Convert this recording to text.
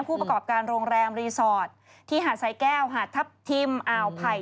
ผู้ประกอบการโรงแรมรีสอร์ทที่หาดสายแก้วหาดทัพทิมอ่าวไผ่